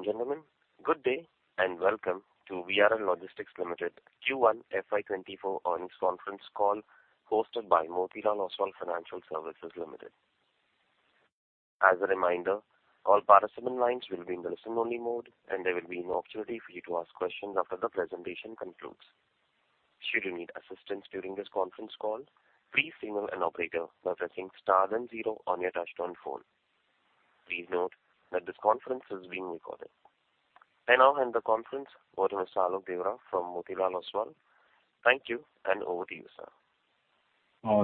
Ladies and gentlemen, good day and welcome to VRL Logistics Limited Q1 FY24 earnings conference call hosted by Motilal Oswal Financial Services Limited. As a reminder, all participant lines will be in the listen-only mode, and there will be no opportunity for you to ask questions after the presentation concludes. Should you need assistance during this conference call, please signal an operator by pressing star and zero on your touchscreen phone. Please note that this conference is being recorded. I now hand the conference over to Mr. Alok Deora from Motilal Oswal. Thank you, and over to you, sir.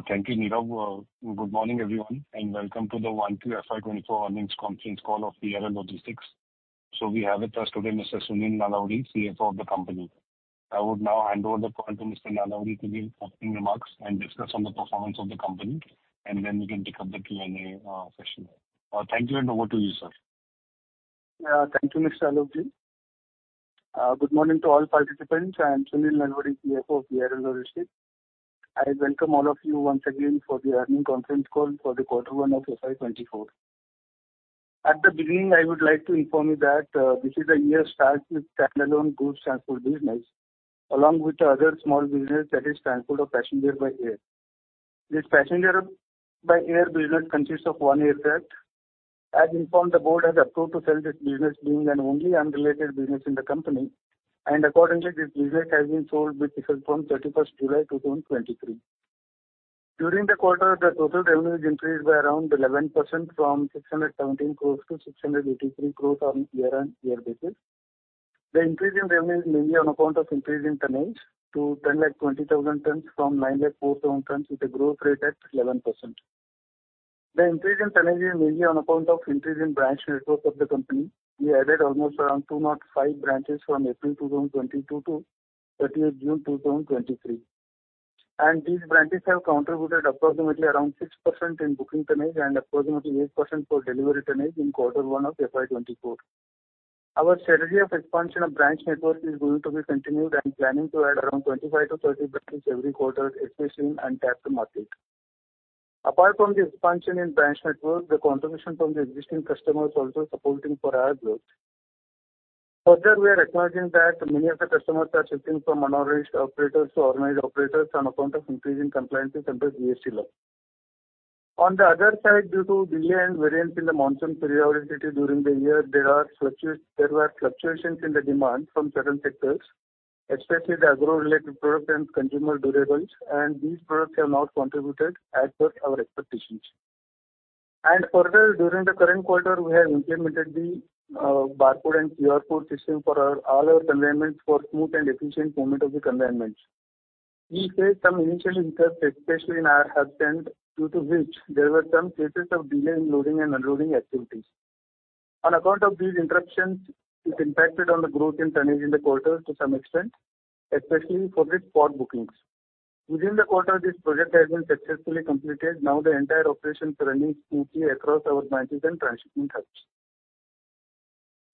Thank you, Neerav. Good morning everyone, and welcome to the Q1 FY24 earnings conference call of VRL Logistics. We have with us today Mr. Sunil Nalavadi, CFO of the company. I would now hand over to Mr. Nalavadi to give opening remarks and discuss on the performance of the company, and then we can pick up the Q&A session. Thank you, and over to you, sir. Thank you, Mr. Alok Deora. Good morning to all participants, and Sunil Nalavadi, CFO of VRL Logistics. I welcome all of you once again for the earnings conference call for the Q1 of FY24. At the beginning, I would like to inform you that this is a year started with standalone goods transport business, along with the other small business that is transport of passenger by air. This passenger by air business consists of one aircraft. As informed, the board has approved to sell this business being an only unrelated business in the company, and accordingly, this business has been sold with effect from 31st July 2023. During the quarter, the total revenue is increased by around 11% from 617 crore to 683 crore on a year-on-year basis. The increase in revenue is mainly on account of increase in tonnage to 1,020,000 tons from 904,000 tons with a growth rate at 11%. The increase in tonnage is mainly on account of increase in branch network of the company. We added almost around 205 branches from April 2022 to 30th June 2023. And these branches have contributed approximately around 6% in booking tonnage and approximately 8% for delivery tonnage in Q1 of FY24. Our strategy of expansion of branch network is going to be continued and planning to add around 25-30 branches every quarter, especially in untapped market. Apart from the expansion in branch network, the contribution from the existing customers is also supporting our growth. Further, we are acknowledging that many of the customers are shifting from unorganized operators to organized operators on account of increasing compliances under GST law. On the other side, due to delay and variance in the monsoon periodicity during the year, there were fluctuations in the demand from certain sectors, especially the agro-related products and consumer durables, and these products have not contributed as per our expectations. Further, during the current quarter, we have implemented the barcode and QR Code system for all our consignments for smooth and efficient movement of the consignments. We faced some initial interruptions, especially in our hubs and. Due to which there were some cases of delay in loading and unloading activities. On account of these interruptions, it impacted the growth in tonnage in the quarter to some extent, especially for the spot bookings. Within the quarter, this project has been successfully completed. Now, the entire operation is running smoothly across our branches and transshipment hubs.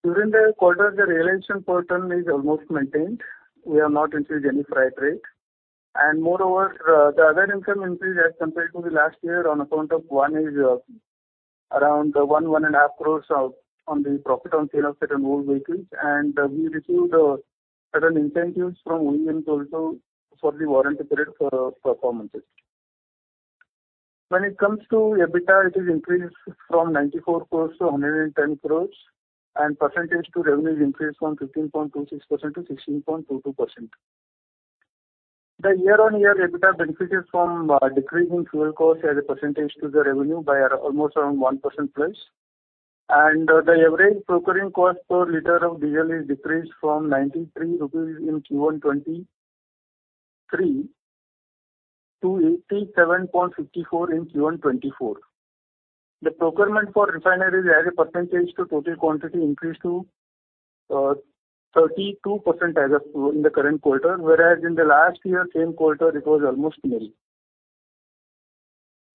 During the quarter, the realization per ton is almost maintained. We have not increased any freight rate. Moreover, the other income increase as compared to the last year on account of one is around 1-1.5 crore on the profit on sale of certain old vehicles, and we received certain incentives from OEMs also for the warranty period performances. When it comes to EBITDA, it has increased from 94 crore to 110 crore, and percentage to revenue has increased from 15.26% to 16.22%. The year-on-year EBITDA benefited from decreasing fuel cost as a percentage to the revenue by almost around 1% plus. The average procuring cost per liter of diesel has decreased from 93 rupees in Q1 FY23 to 87.54 in Q1 FY24. The procurement for refineries as a percentage to total quantity increased to 32% in the current quarter, whereas in the last year, same quarter, it was almost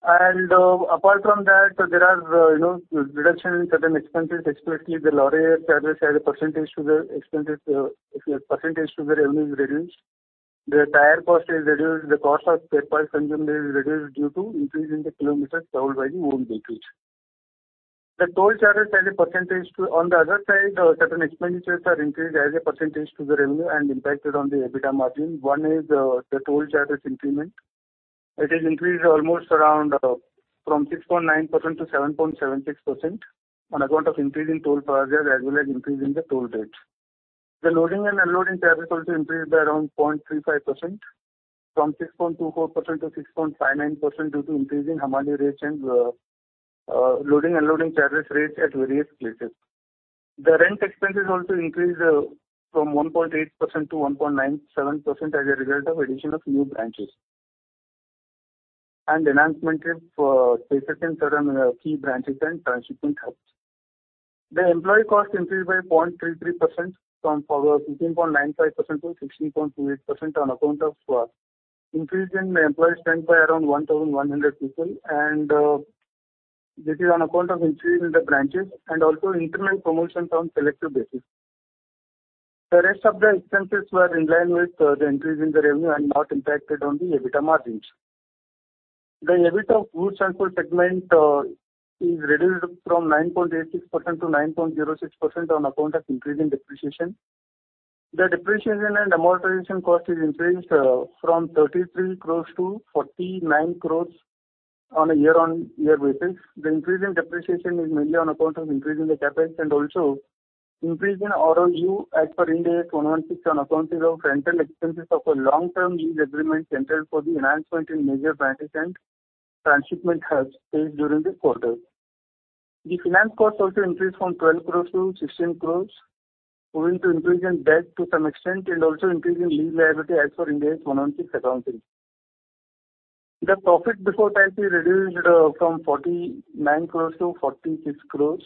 nil. Apart from that, there are reductions in certain expenses, especially the lorry hire charges as a percentage to the revenue is reduced. The tire cost is reduced. The cost of spare parts consumed is reduced due to increase in the kilometers traveled by the old vehicles. The toll charges as a percentage to, on the other side, certain expenditures are increased as a percentage to the revenue and impacted on the EBITDA margin. One is the toll charges increment. It has increased almost around from 6.9%-7.76% on account of increase in toll charges as well as increase in the toll rates. The loading and unloading charges also increased by around 0.35% from 6.24%-6.59% due to increase in hamali rates and loading unloading charges rates at various places. The rent expenses also increased from 1.8% to 1.97% as a result of addition of new branches and enhancement of spaces in certain key branches and transshipment hubs. The employee cost increased by 0.33% from 15.95% to 16.28% on account of increase in employee strength by around 1,100 people, and this is on account of increase in the branches and also internal promotions on selective basis. The rest of the expenses were in line with the increase in the revenue and not impacted on the EBITDA margins. The EBITDA of Goods Transport segment is reduced from 9.86% to 9.06% on account of increase in depreciation. The depreciation and amortization cost has increased from 33 crores to 49 crores on a year-on-year basis. The increase in depreciation is mainly on account of increase in the CapEx and also increase in ROU as per Ind AS 116 on account of rental expenses of a long-term lease agreement entered for the enhancement in major branches and transshipment hubs faced during the quarter. The finance cost also increased from 12 crore to 16 crore, moving to increase in debt to some extent and also increase in lease liability as per Ind AS 116 accounting. The profit before tax is reduced from 49 crore to 46 crore,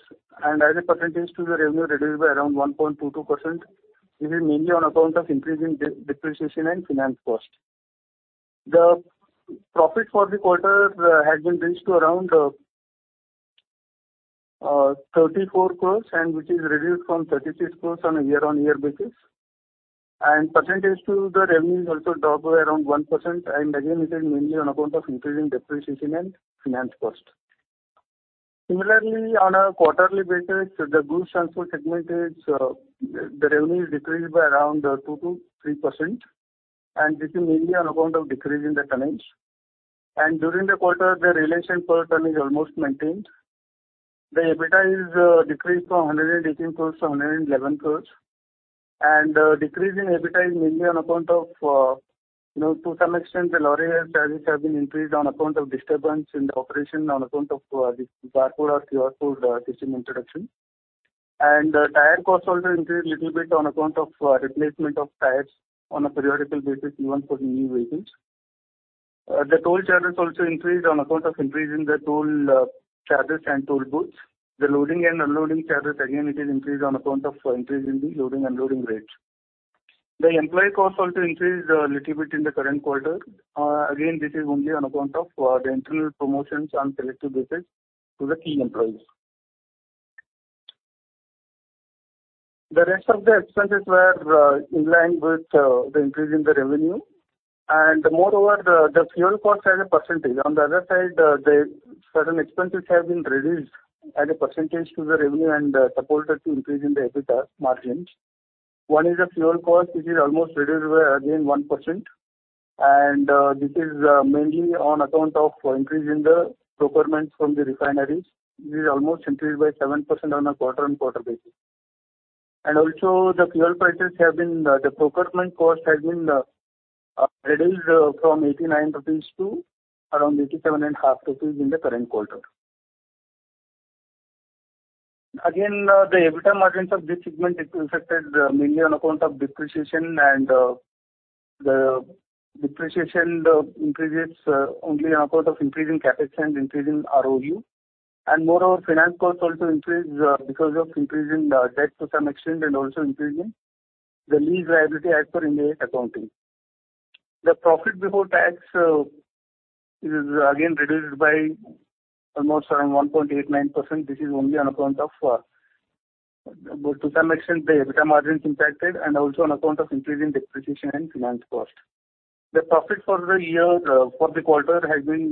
and as a percentage to the revenue is reduced by around 1.22%. This is mainly on account of increase in depreciation and finance cost. The profit for the quarter has been reduced to around 34 crore, which is reduced from 36 crore on a year-on-year basis. Percentage-to-the-revenue has also dropped by around 1%, and again, it is mainly on account of increase in depreciation and finance cost. Similarly, on a quarterly basis, the Goods Transport segment is the revenue has decreased by around 2%-3%, and this is mainly on account of decrease in the tonnage. During the quarter, the realization per ton is almost maintained. The EBITDA has decreased from 118 crore to 111 crore. Decrease in EBITDA is mainly on account of to some extent, the lorry hire charges has been increased on account of disturbance in the operation on account of the barcode or QR Code system introduction. The tire cost also increased a little bit on account of replacement of tires on a periodical basis, even for the new vehicles. The toll charges also increased on account of increase in the toll charges and toll booths. The loading and unloading charges, again, it has increased on account of increase in the loading unloading rates. The employee cost also increased a little bit in the current quarter. Again, this is only on account of the internal promotions on selective basis to the key employees. The rest of the expenses were in line with the increase in the revenue. Moreover, the fuel cost as a percentage. On the other side, certain expenses have been reduced as a percentage to the revenue and supported to increase in the EBITDA margins. One is the fuel cost, which is almost reduced by, again, 1%. And this is mainly on account of increase in the procurement from the refineries. This is almost increased by 7% on a quarter-on-quarter basis. Also, the fuel prices have been the procurement cost has been reduced from 89 rupees to around 87.5 rupees in the current quarter. Again, the EBITDA margins of this segment are affected mainly on account of depreciation, and the depreciation increases only on account of increase in CapEx and increase in ROU. Moreover, finance costs also increase because of increase in debt to some extent and also increase in the lease liability as per Ind AS 116 accounting. The profit before tax is, again, reduced by almost around 1.89%. This is only on account of to some extent, the EBITDA margins are impacted and also on account of increase in depreciation and finance cost. The profit for the year for the quarter has been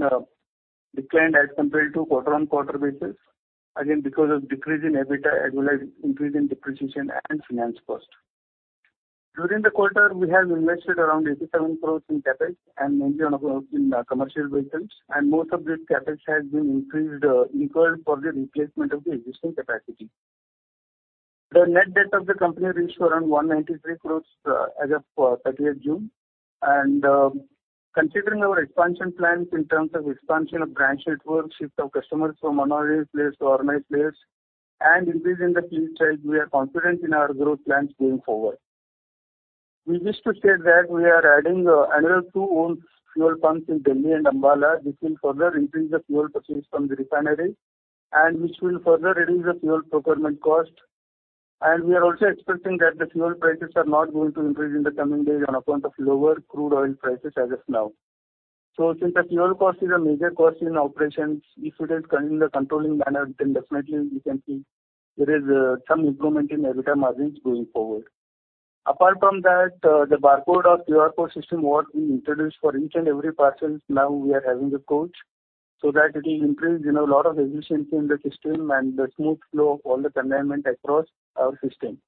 declined as compared to quarter-on-quarter basis, again, because of decrease in EBITDA as well as increase in depreciation and finance cost. During the quarter, we have invested around 87 crore in CapEx and mainly in commercial vehicles, and most of this CapEx has been increased for the replacement of the existing capacity. The net debt of the company reached around 193 crore as of 30th June. Considering our expansion plans in terms of expansion of branch network, shift of customers from unorganized players to organized players, and increase in the fleet size, we are confident in our growth plans going forward. We wish to state that we are adding another two owned fuel pumps in Delhi and Ambala. This will further increase the fuel purchase from the refineries, and which will further reduce the fuel procurement cost. We are also expecting that the fuel prices are not going to increase in the coming days on account of lower crude oil prices as of now. So since the fuel cost is a major cost in operations, if it is in the controlling manner, then definitely we can see there is some improvement in EBITDA margins going forward. Apart from that, the barcode or QR Code system was introduced for each and every parcel. Now, we are having a code so that it will increase a lot of efficiency in the system and the smooth flow of all the consignment across our system.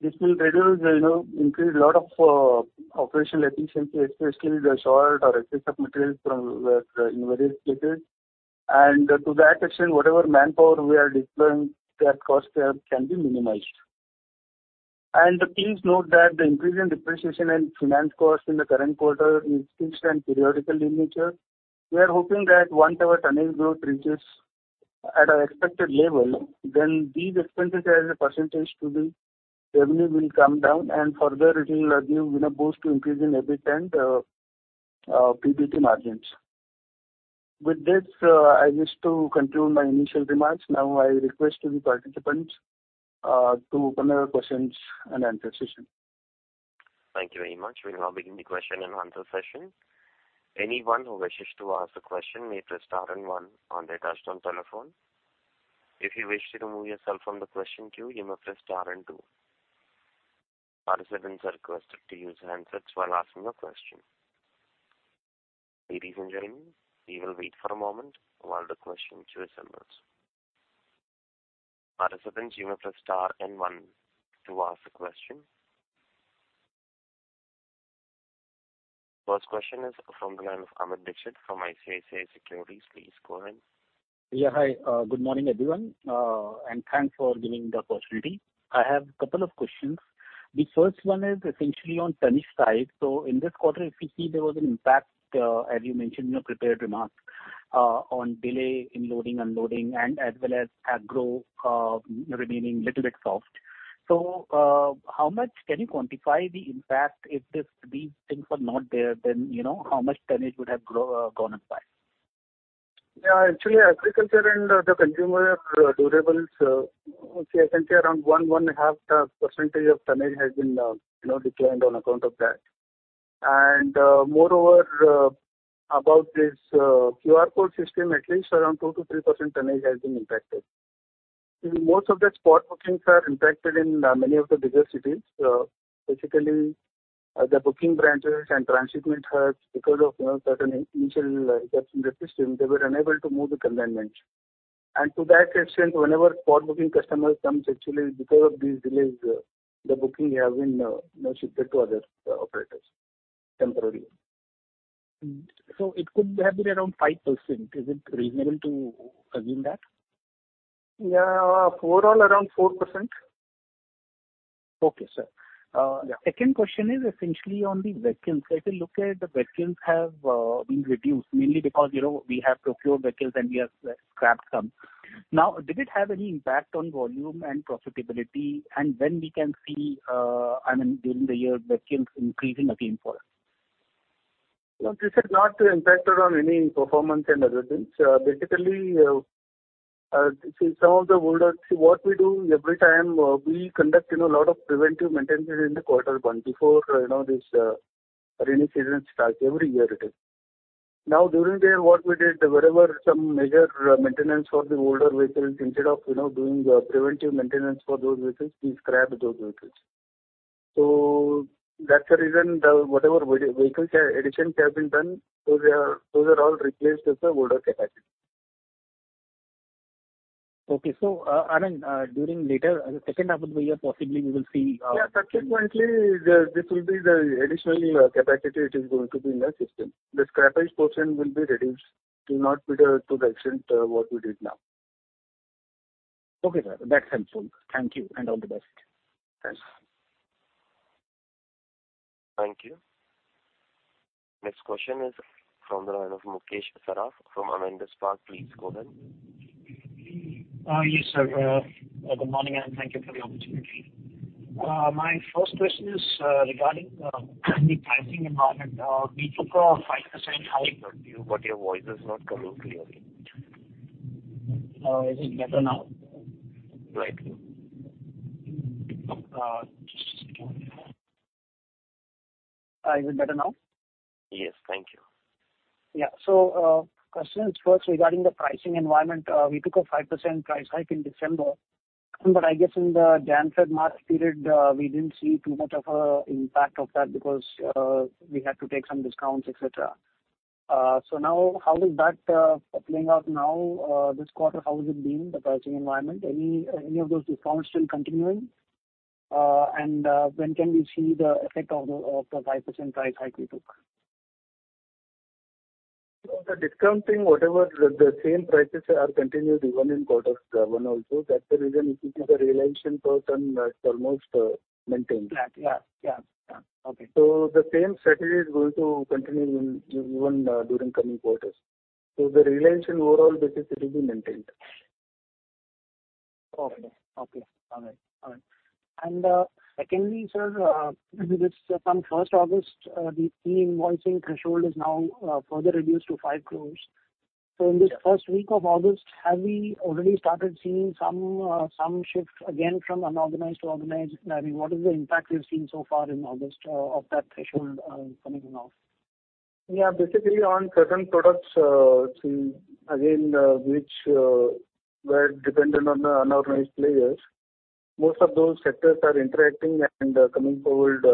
This will increase a lot of operational efficiency, especially the short or excess of materials from various places. And to that extent, whatever manpower we are deploying, that cost can be minimized. And please note that the increase in depreciation and finance costs in the current quarter is fixed and periodical in nature. We are hoping that once our tonnage growth reaches at our expected level, then these expenses as a percentage to the revenue will come down, and further, it will give a boost to increase in EBITDA and PBT margins. With this, I wish to conclude my initial remarks. Now, I request to the participants to open our questions and answer session. Thank you very much. We will now begin the question and answer session. Anyone who wishes to ask a question may press star and one on their touch-tone telephone. If you wish to remove yourself from the question queue, you may press star and two. Participants are requested to use handset while asking a question. Ladies and gentlemen, we will wait for a moment while the question queue assembles. Participants, you may press star and one to ask a question. First question is from the line of Amit Dixit from ICICI Securities. Please go ahead. Yeah. Hi. Good morning, everyone. And thanks for giving me the opportunity. I have a couple of questions. The first one is essentially on tonnage side. So in this quarter, if you see, there was an impact, as you mentioned in your prepared remarks, on delay in loading unloading and as well as agro remaining a little bit soft. So how much can you quantify the impact? If these things were not there, then how much tonnage would have gone up by? Yeah. Actually, agriculture and the consumer durables, essentially, around 1%-1.5% of tonnage has been declined on account of that. And moreover, about this QR Code system, at least around 2%-3% tonnage has been impacted. Most of the spot bookings are impacted in many of the bigger cities. Basically, the booking branches and transshipment hubs, because of certain initial hiccups in the system, they were unable to move the consignment. And to that extent, whenever spot booking customers come, actually, because of these delays, the booking has been shifted to other operators temporarily. So it could have been around 5%. Is it reasonable to assume that? Yeah. Overall, around 4%. Okay, sir. Second question is essentially on the vehicles. If you look at the vehicles, they have been reduced mainly because we have procured vehicles and we have scrapped some. Now, did it have any impact on volume and profitability and when we can see, I mean, during the year, vehicles increasing again for us? This has not impacted on any performance and resilience. Basically, see, some of the older what we do every time, we conduct a lot of preventive maintenance in the quarter one before this rainy season starts. Every year, it is. Now, during the year, what we did, wherever some major maintenance for the older vehicles, instead of doing preventive maintenance for those vehicles, we scrapped those vehicles. So that's the reason whatever vehicle additions have been done, those are all replaced with the older capacity. Okay. So, around, during later, the second half of the year, possibly, we will see. Yeah. Subsequently, this will be the additional capacity it is going to be in the system. The scrappage portion will be reduced to the extent what we did now. Okay, sir. That's helpful. Thank you and all the best. Thanks. Thank you. Next question is from the line of Mukesh Saraf from Avendus Spark. Please go ahead. Yes, sir. Good morning, around. Thank you for the opportunity. My first question is regarding the pricing environment. We took a 5% hike. But your voice is not coming clearly. Is it better now? Right. Just a second. Is it better now? Yes. Thank you. Yeah. So question is first regarding the pricing environment. We took a 5% price hike in December, but I guess in the January-February-March period, we didn't see too much of an impact of that because we had to take some discounts, etc. So now, how is that playing out now? This quarter, how has it been the pricing environment? Any of those discounts still continuing? And when can we see the effect of the 5% price hike we took? The discounting, whatever, the same prices are continued even in quarters one also. That's the reason if you see the realization per ton, it's almost maintained. Flat. Yeah. Yeah. Yeah. Okay. So the same strategy is going to continue even during coming quarters. So the realization overall basis, it will be maintained. Okay. Okay. All right. All right. And secondly, sir, since from 1st August, the key invoicing threshold is now further reduced to 5 crore. So in this first week of August, have we already started seeing some shift again from unorganized to organized? I mean, what is the impact we have seen so far in August of that threshold coming off? Yeah. Basically, on certain products, see, again, which were dependent on unorganized players, most of those sectors are interacting and coming forward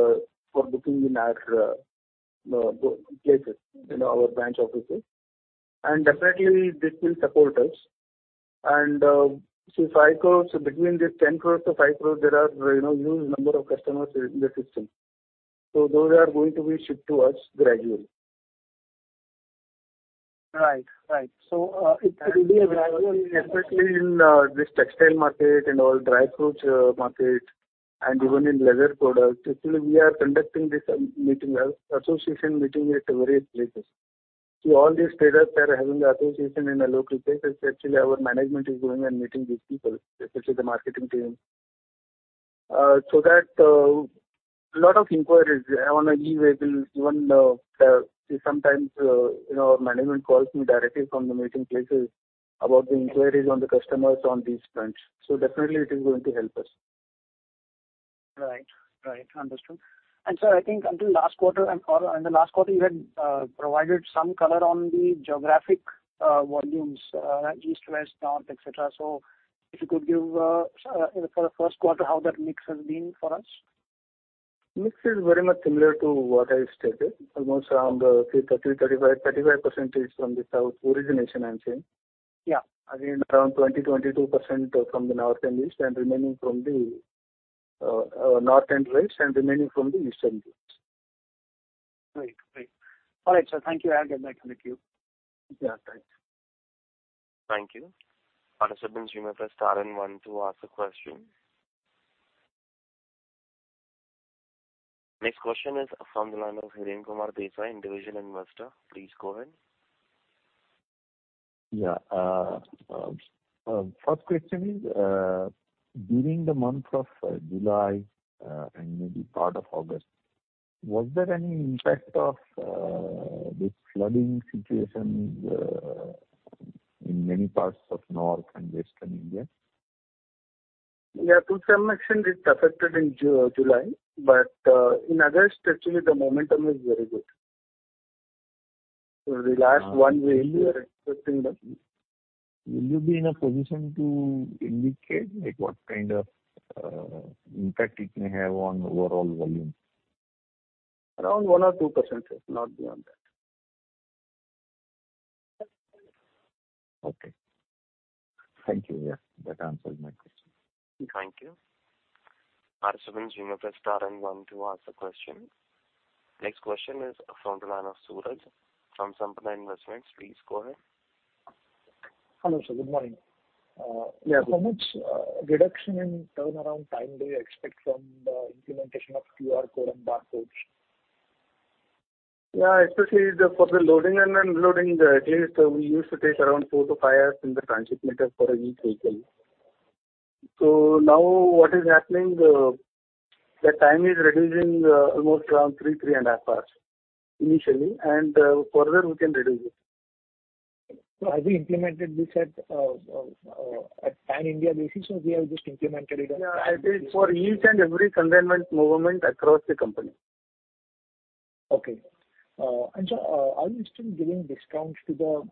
for booking in our places, our branch offices. And definitely, this will support us. And see, 5 crore, between this 10 crore-5 crore, there are a huge number of customers in the system. So those are going to be shipped to us gradually. Right. Right. So it will be a gradual, especially in this textile market and all dry fruit market and even in leather products. Actually, we are conducting this association meeting at various places. See, all these traders that are having the association in a local place, actually, our management is going and meeting these people, especially the marketing team, so that a lot of inquiries on an E-way bill we'll even see, sometimes our management calls me directly from the meeting places about the inquiries on the customers on these fronts. So definitely, it is going to help us. Right. Right. Understood. And sir, I think until last quarter or in the last quarter, you had provided some color on the geographic volumes, east, west, north, etc. So if you could give for the first quarter, how that mix has been for us? Mix is very much similar to what I stated, almost around, say, 30%-35% from the south origination, I'm saying. Again, around 20%-22% from the north and east and remaining from the north and west and remaining from the eastern groups. Great. Great. All right, sir. Thank you. I'll get back on the queue. Yeah. Thanks. Thank you. Participants, you may press star and one to ask a question. Next question is from the line of Hiren Kumar Desai, individual investor. Please go ahead. Yeah. First question is, during the month of July and maybe part of August, was there any impact of this flooding situation in many parts of north and western India? Yeah. To some extent, it affected in July, but in August, actually, the momentum is very good. The last one week we are expecting them. Will you be in a position to indicate what kind of impact it may have on overall volume? Around 1 or 2%, not beyond that. Okay. Thank you. Yeah. That answers my question. Thank you. Participants, you may press star and one to ask a question. Next question is from the line of Suraj from Sampada Investments. Please go ahead. Hello, sir. Good morning. How much reduction in turnaround time do you expect from the implementation of QR Code and barcodes? Yeah. Especially for the loading and unloading, at least, we used to take around 4-5 hours in the transshipment for each vehicle. So now, what is happening, the time is reducing almost around 3-3.5 hours initially, and further, we can reduce it. So have you implemented this at pan-India basis, or have you just implemented it on pan-India? Yeah. I did for each and every consignment movement across the company. Okay. And sir, are you still giving discounts to the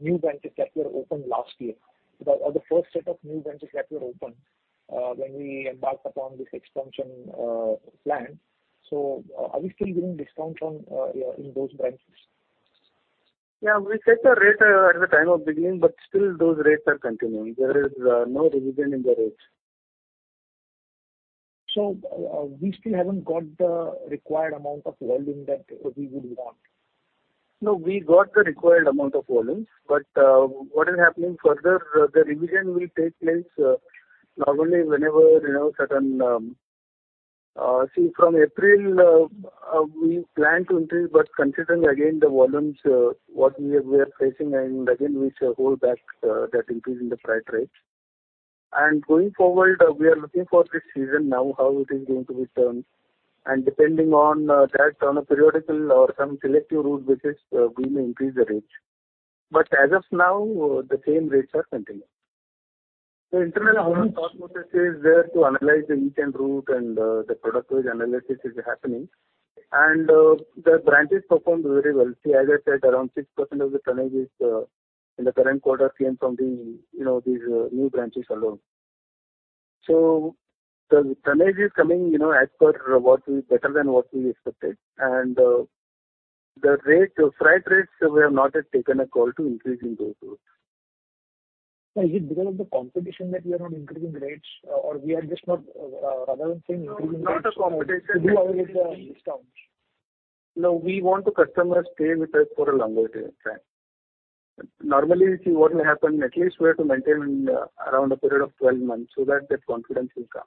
new branches that were opened last year? So that was the first set of new branches that were opened when we embarked upon this expansion plan. So are you still giving discounts in those branches? Yeah. We set a rate at the time of beginning, but still, those rates are continuing. There is no revision in the rates. So we still haven't got the required amount of volume that we would want? No. We got the required amount of volumes, but what is happening further, the revision will take place normally whenever certainly, from April, we plan to increase, but considering, again, the volumes, what we are facing, and again, we should hold back that increase in the price rate. Going forward, we are looking for this season now, how it is going to be turned, and depending on that, on a periodical or some selective route basis, we may increase the rate. As of now, the same rates are continuing. Internally, our thought process is there to analyze each and every route, and the product-wise analysis is happening. The branches performed very well. See, as I said, around 6% of the tonnage in the current quarter came from these new branches alone. The tonnage is coming as per better than what we expected. The flight rates, we have not yet taken a call to increase in those routes. Is it because of the competition that you are not increasing rates, or we are just not—rather than saying increasing rates—to do away with the discounts? No. We want customers to stay with us for a longer time. Normally, see, what will happen, at least we have to maintain around a period of 12 months so that that confidence will come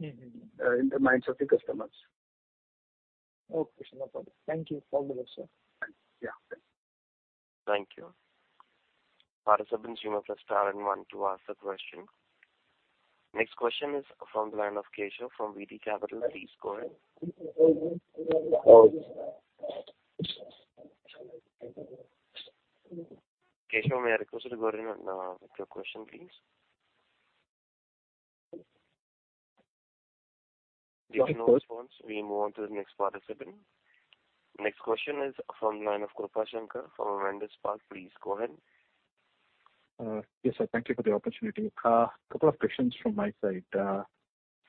in the minds of the customers. Okay. No problem. Thank you. All the best, sir. Yeah. Thank you. Participants, you may press star and one to ask a question. Next question is from the line of Keshav from VD Capital. Please go ahead. Keshav, may I request you to go ahead and ask your question, please? If you no response, we move on to the next participant. Next question is from the line of Krupashankar from Avendus Spark. Please go ahead. Yes, sir. Thank you for the opportunity. A couple of questions from my side.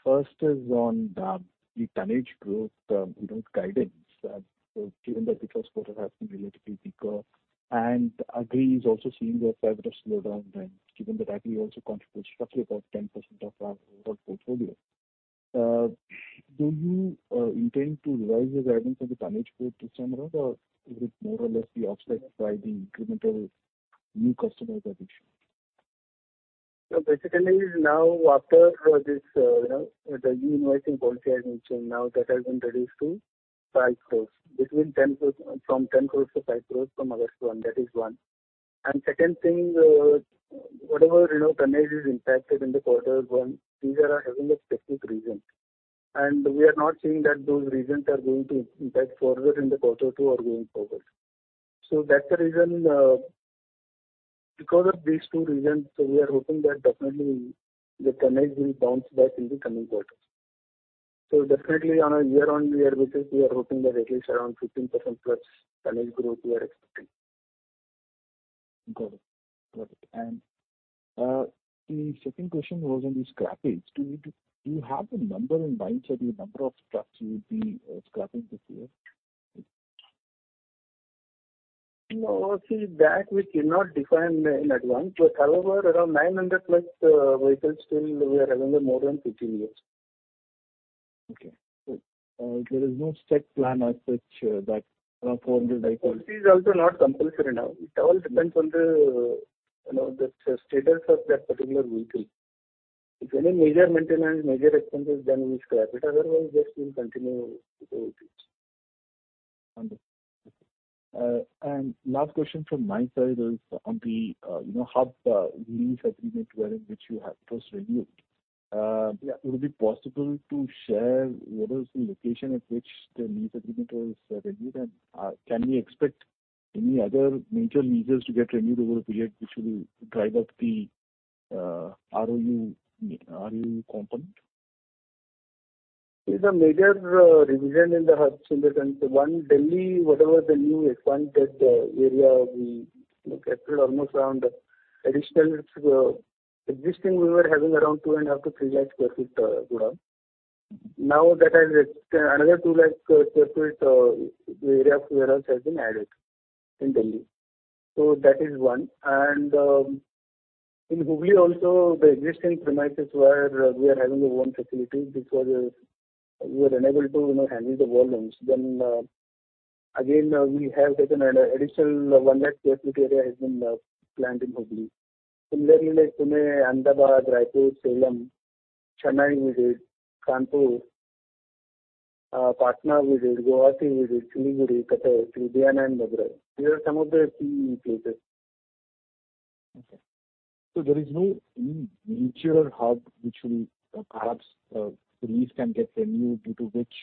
First is on the tonnage growth, you know, guidance. So given that the first quarter has been relatively weaker, and Agri is also seeing a favorable slowdown, then given that Agri also contributes roughly about 10% of our overall portfolio, do you intend to revise your guidance on the tonnage growth this time around, or is it more or less the offset by the incremental new customers addition? So basically, now, after the new invoicing policy I mentioned, now that has been reduced to 5 crore, between 10 from 10 crore to 5 crore from August 1, that is one. And second thing, whatever tonnage is impacted in the quarter one, these are having a specific reason. And we are not seeing that those reasons are going to impact further in the quarter two or going forward. So that's the reason because of these two reasons, we are hoping that definitely the tonnage will bounce back in the coming quarter. So definitely, on a year-on-year basis, we are hoping that at least around 15%+ tonnage growth we are expecting. Got it. Got it. And the second question was on the scrappage. Do you have a number in mind, sir, the number of trucks you would be scrapping this year? No. See, that we cannot define in advance. However, around 900+ vehicles still we are having more than 15 years. Okay. So there is no set plan as such that around 400 vehicles? No. See, it's also not compulsory now. It all depends on the status of that particular vehicle. If any major maintenance, major expenses, then we scrap it. Otherwise, just we'll continue with our vehicles. Understood. Okay. And last question from my side is on the hub lease agreement wherein which you have post-renewed. Would it be possible to share what is the location at which the lease agreement was renewed, and can we expect any other major leases to get renewed over a period which will drive up the ROU component? See, the major revision in the hubs in the country, one, Delhi, whatever the new expanded area we looked at, almost around additional existing, we were having around 250,000-300,000 sq ft goods. Now that has another 200,000 sq ft area of warehouse has been added in Delhi. So that is one. And in Hubli also, the existing premises where we are having our own facilities, we were unable to handle the volumes. Then again, we have taken an additional 100,000 sq ft area has been planned in Hubli. Similarly, like Pune, Ahmedabad, Raipur, Salem, Chennai, we did, Kanpur, Patna, we did, Goa, see, we did, Siliguri, Cuttack, Trivandrum, and Madurai. These are some of the key places. Okay. So there is no major hub which will perhaps the lease can get renewed due to which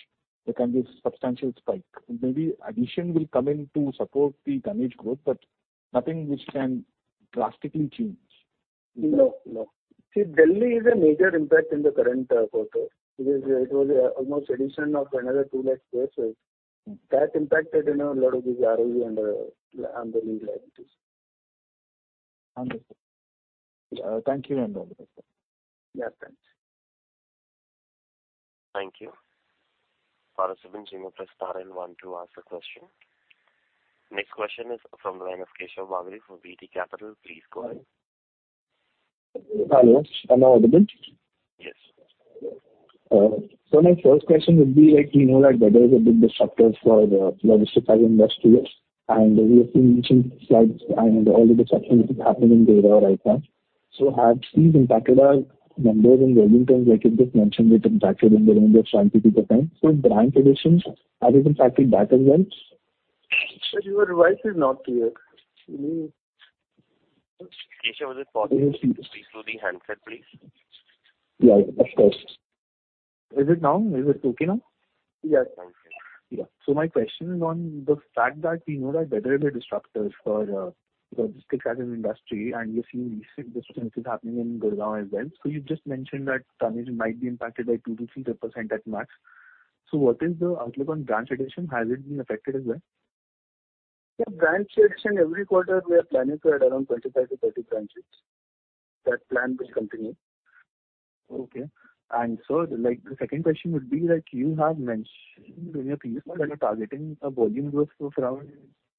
there can be a substantial spike. Maybe addition will come in to support the tonnage growth, but nothing which can drastically change. No. No. See, Delhi is a major impact in the current quarter. It was almost addition of another 200,000 sq ft. That impacted a lot of these ROU and the lease liabilities. Understood. Thank you and all the best, sir. Yeah. Thanks. Thank you. Participants, you may press star and one to ask a question. Next question is from the line of Keshav Bagri from VT Capital. Please go ahead. Hello. Am I audible? Yes. So my first question would be, we know that VRL is a big disruptor for the logistics industry, and we have seen recent floods and all the disruptions that are happening in VRL right now. So have these impacted our volumes? You just mentioned it impacted in the range of 5%-2%. So brand traction, has it impacted that as well? Sir, your voice is not clear. Keshav, is it possible to speak through the handset, please? Yes. Of course. Is it now? Is it okay now? Yes. Thank you. Yeah. So my question is on the fact that we know that weather is a disruptor for logistics as an industry, and we have seen these disruptions happening in Gurgaon as well. So you've just mentioned that tonnage might be impacted by 2%-3% at max. So what is the outlook on branch addition? Has it been affected as well? Yeah. Branch addition, every quarter, we are planning to add around 25-30 branches. That plan will continue. Okay. And sir, the second question would be, you have mentioned in your previous part that you're targeting a volume growth of around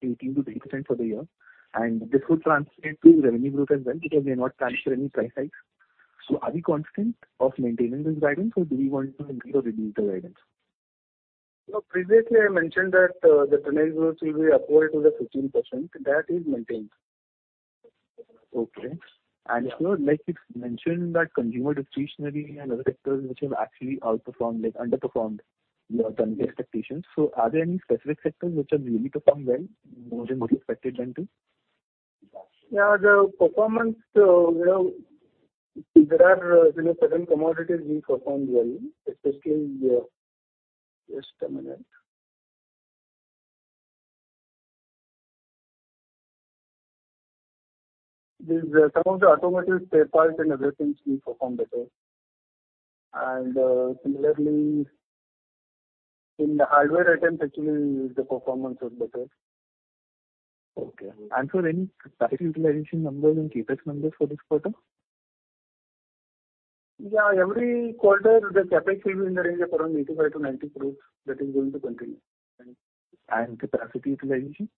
18%-30% for the year, and this would translate to revenue growth as well because we are not planning for any price hikes. So are we confident of maintaining this guidance, or do we want to increase or reduce the guidance? No. Previously, I mentioned that the tonnage growth will be upward to the 15%. That is maintained. Okay. And sir, you've mentioned that consumer durables and other sectors which have actually underperformed your tonnage expectations. So are there any specific sectors which have really performed well, more than what you expected them to? Yeah. The performance, see, there are certain commodities we performed well, especially just a minute. Some of the automotives, apparels, and other things we performed better. And similarly, in the hardware items, actually, the performance was better. Okay. And for any capacity utilization numbers and CapEx numbers for this quarter? Yeah. Every quarter, the CapEx will be in the range of around 85 crore-90 crore that is going to continue. And capacity utilization?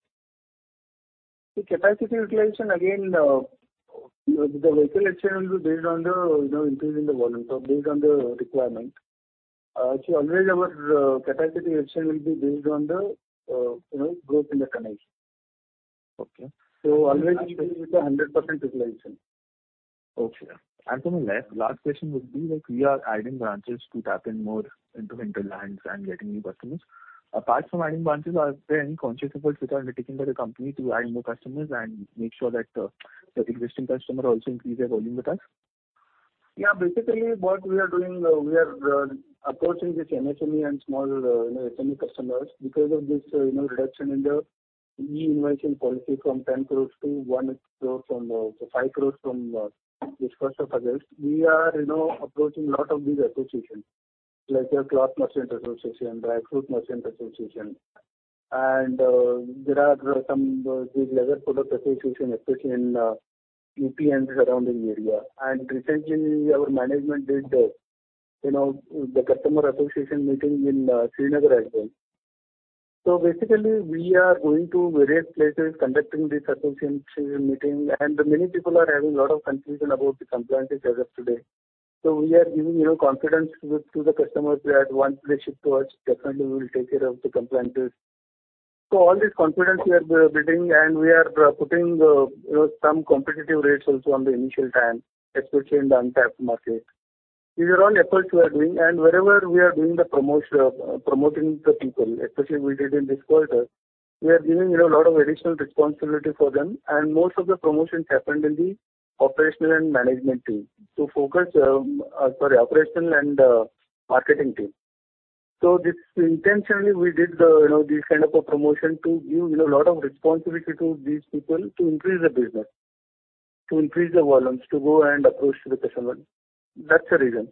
See, capacity utilization, again, the vehicle addition will be based on the increase in the volume, based on the requirement. See, always, our capacity addition will be based on the growth in the tonnage. So always, it will be with a 100% utilization. Okay. Then last question would be, we are adding branches to tap in more into hinterlands and getting new customers. Apart from adding branches, are there any conscious efforts which are undertaken by the company to add more customers and make sure that the existing customer also increases their volume with us? Yeah. Basically, what we are doing, we are approaching this MSME and small SME customers because of this reduction in the e-invoicing policy from 10 crore-5 crore from this 1st of August. We are approaching a lot of these associations, like the Cloth Merchant Association, Raipur Merchant Association. There are some these leather product associations, especially in UP and surrounding area. Recently, our management did the customer association meeting in Srinagar as well. Basically, we are going to various places conducting this association meeting, and many people are having a lot of confusion about the compliances as of today. We are giving confidence to the customers that once they ship to us, definitely, we will take care of the compliances. All this confidence we are building, and we are putting some competitive rates also on the initial time, especially in the untapped market. These are all efforts we are doing. Wherever we are doing the promoting the people, especially we did in this quarter, we are giving a lot of additional responsibility for them. Most of the promotions happened in the operational and management team, sorry, operational and marketing team. So intentionally, we did this kind of a promotion to give a lot of responsibility to these people to increase the business, to increase the volumes, to go and approach the customers. That's the reason.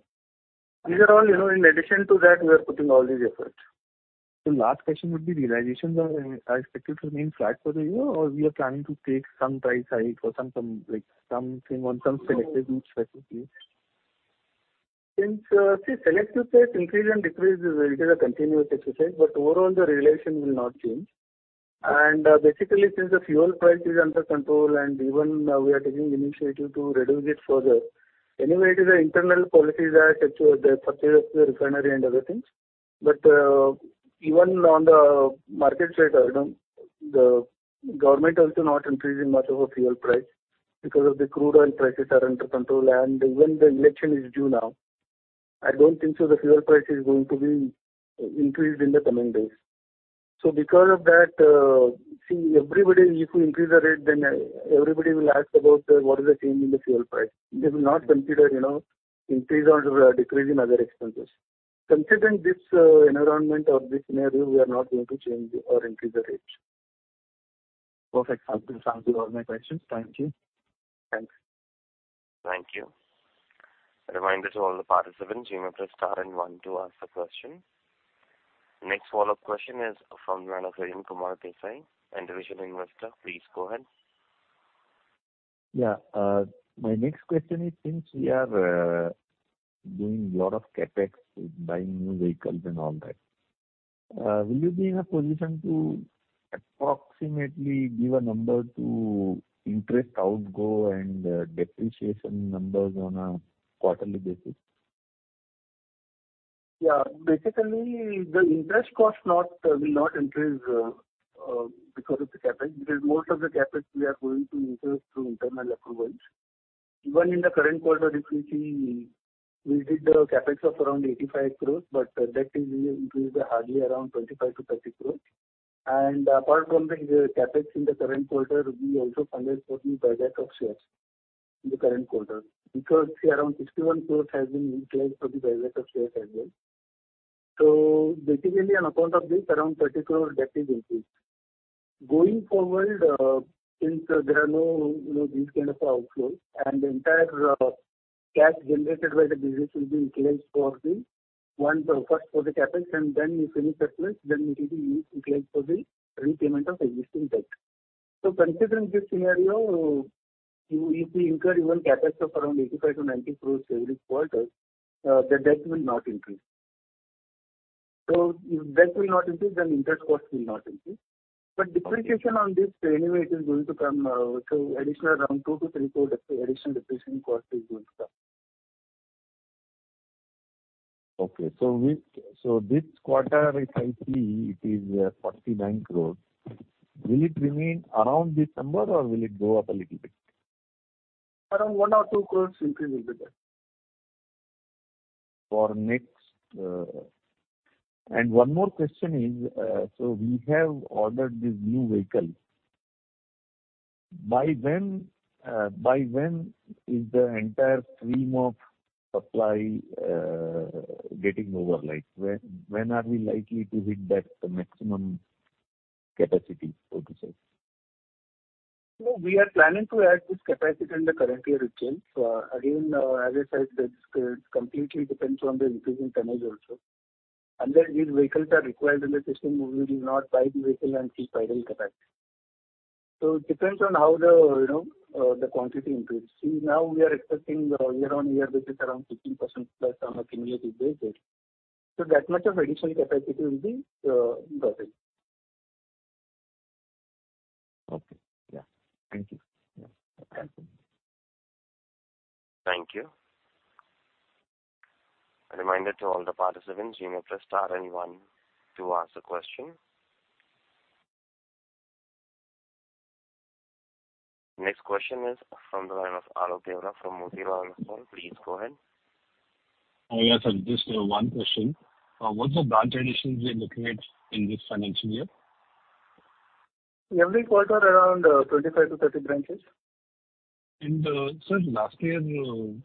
These are all in addition to that, we are putting all these efforts. So last question would be, realizations are expected to remain flat for the year, or we are planning to take some price hike or something on some selective route specifically? See, selective price increase and decrease, it is a continuous exercise. But overall, the realization will not change. And basically, since the fuel price is under control and even we are taking initiative to reduce it further, anyway, it is an internal policy that purchase of the refinery and other things. But even on the markets later, the government also not increasing much of a fuel price because of the crude oil prices are under control. Even the election is due now. I don't think so the fuel price is going to be increased in the coming days. So because of that, see, if we increase the rate, then everybody will ask about what is the change in the fuel price. They will not consider increase or decrease in other expenses. Considering this environment or this scenario, we are not going to change or increase the rates. Perfect. I've answered all my questions. Thank you. Thanks. Thank you. I reminded all the participants, you may press star and one to ask a question. Next follow-up question is from the line of Hiren Kumar Desai, individual investor. Please go ahead. Yeah. My next question is, since we are doing a lot of CapEx with buying new vehicles and all that, will you be in a position to approximately give a number to interest outgo and depreciation numbers on a quarterly basis? Yeah. Basically, the interest cost will not increase because of the CapEx because most of the CapEx we are going to increase through internal approvals. Even in the current quarter, if we see, we did the CapEx of around 85 crores, but that increased hardly around 25-30 crores. And apart from the CapEx in the current quarter, we also funded for the buyback of shares in the current quarter because, see, around 61 crores has been utilized for the buyback of shares as well. So basically, on account of this, around 30 crores debt is increased. Going forward, since there are no these kind of outflows, and the entire cash generated by the business will be utilized first for the CapEx, and then if any surplus, then it will be utilized for the repayment of existing debt. So considering this scenario, if we incur even CapEx of around 85-90 crores every quarter, the debt will not increase. So if debt will not increase, then interest cost will not increase. But depreciation on this, anyway, it is going to come so additional around 2-3 crores additional depreciation cost is going to come. Okay. So this quarter, if I see, it is 49 crores. Will it remain around this number, or will it go up a little bit? Around 1 or 2 crores increase will be there. One more question is, so we have ordered this new vehicle. By when is the entire stream of supply getting over? When are we likely to hit that maximum capacity, so to say? No. We are planning to add this capacity in the current year as well. So again, as I said, it completely depends on the increasing tonnage also. Unless these vehicles are required in the system, we will not buy the vehicle and see final capacity. So it depends on how the quantity increases. See, now we are expecting year-on-year basis around 15%+ on a cumulative basis. So that much of additional capacity will be brought in. Okay. Yeah. Thank you. Yeah. Thank you. Thank you. I reminded all the participants, you may press star and one to ask a question. Next question is from the line of Alok Deora from Motilal Oswal. Please go ahead. Yes, sir. Just one question. What's the branch additions we are looking at in this financial year? Every quarter, around 25-30 branches. And sir, last year, you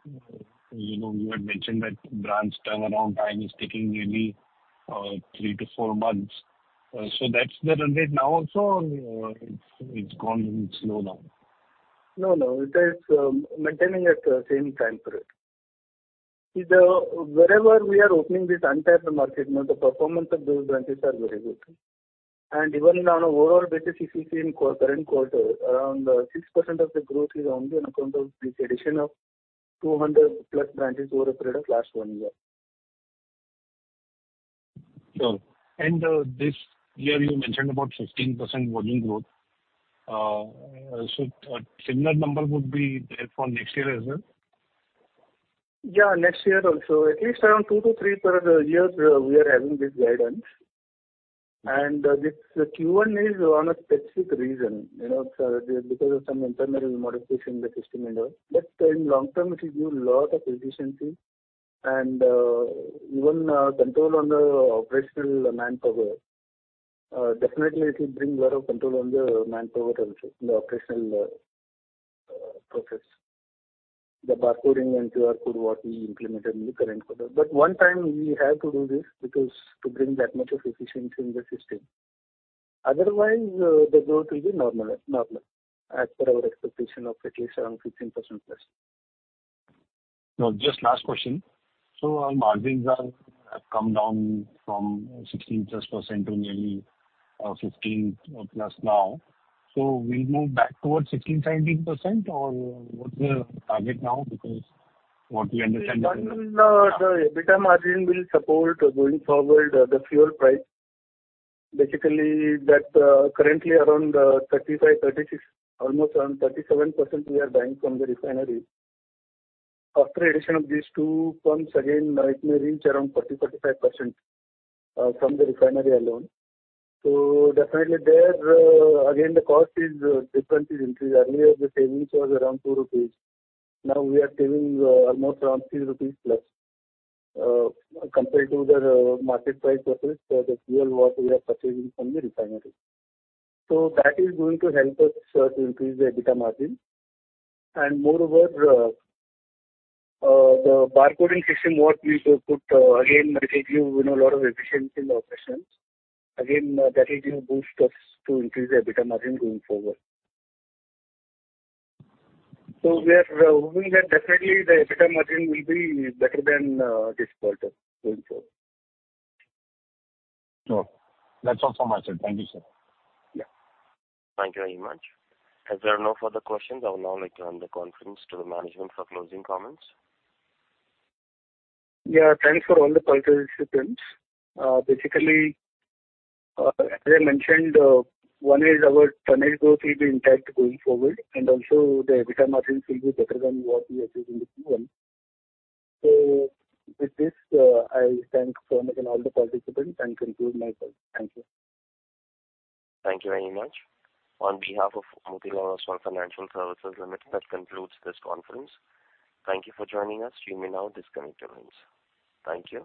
had mentioned that branch turnaround time is taking nearly 3-4 months. So that's there already now, or it's gone slow now? No, no. It is maintaining at the same time period. See, wherever we are opening this untapped market, the performance of those branches are very good. And even on an overall basis, if you see in current quarter, around 6% of the growth is only on account of this addition of 200+ branches over a period of last 1 year. Sure. And this year, you mentioned about 15% volume growth. So a similar number would be there for next year as well? Yeah. Next year also. At least around 2-3 per year, we are having this guidance. This Q1 is on a specific reason because of some internal modification in the system and all. But in long term, it will give a lot of efficiency and even control on the operational manpower. Definitely, it will bring a lot of control on the manpower also, the operational process, the barcoding and QR Code, what we implemented in the current quarter. But one time, we have to do this because to bring that much of efficiency in the system. Otherwise, the growth will be normal as per our expectation of at least around 15%+. Now, just last question. So all margins have come down from 16+% to nearly 15+% now. So we'll move back towards 16%, 17%, or what's the target now because what we understand is the EBITDA margin will support going forward the fuel price. Basically, currently, around 35%-36%, almost around 37% we are buying from the refinery. After addition of these two firms, again, it may reach around 40%-45% from the refinery alone. So definitely, again, the cost difference is increased. Earlier, the savings was around 2 rupees. Now, we are saving almost around 3+ rupees compared to the market price versus the fuel what we are purchasing from the refinery. So that is going to help us to increase the EBITDA margin. And moreover, the barcoding system, what we put, again, it will give a lot of efficiency in the operations. Again, that will give a boost to increase the EBITDA margin going forward. So we are hoping that definitely, the EBITDA margin will be better than this quarter going forward. Sure. That's all from my side. Thank you, sir. Yeah. Thank you very much. As there are no further questions, I will now like to hand the conference to the management for closing comments. Yeah. Thanks for all the participants. Basically, as I mentioned, one is our tonnage growth will be intact going forward, and also the EBITDA margins will be better than what we achieved in the Q1. So with this, I thank all the participants and conclude myself. Thank you. Thank you very much. On behalf of Motilal Oswal Financial Services Limited, that concludes this conference. Thank you for joining us. You may now disconnect your lines. Thank you.